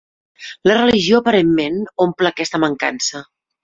La religió, aparentment, omple aquesta mancança.